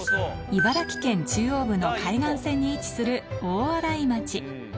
茨城県中央部の海岸線に位置する大洗町。